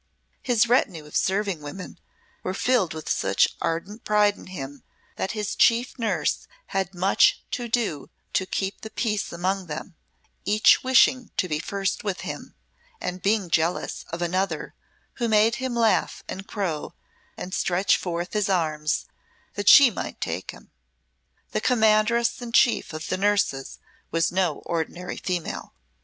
His retinue of serving women were filled with such ardent pride in him that his chief nurse had much to do to keep the peace among them, each wishing to be first with him, and being jealous of another who made him laugh and crow and stretch forth his arms that she might take him. The Commandress in Chief of the nurses was no ordinary female.